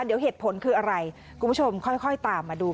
เดี๋ยวเหตุผลคืออะไรคุณผู้ชมค่อยตามมาดู